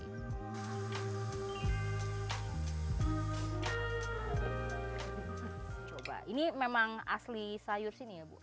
coba ini memang asli sayur sini ya bu